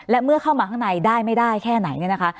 และเมื่อเข้ามาข้างในได้ไม่ได้แค่ไหน